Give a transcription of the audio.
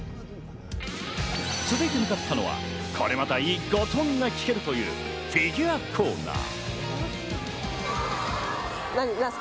続いて向かったのは、これまた、いいゴトンが聞けるというフィギュアコーナー。